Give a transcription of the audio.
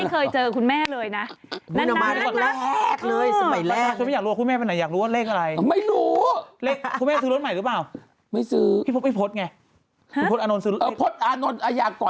ไม่มามานี่ต้นแรกก็เลยเรื่องเลยสมัยแรกนะคะ